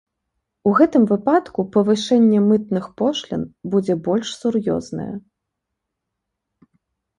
У гэтым выпадку павышэнне мытных пошлін будзе больш сур'ёзнае.